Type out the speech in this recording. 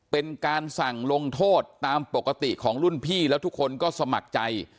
เป็นการสั่งลงโทษตามปกติของรุ่นพี่แล้วทุกคนก็สมัครใจ